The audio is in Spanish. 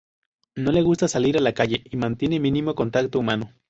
No le gusta salir a la calle y mantiene mínimo contacto humano.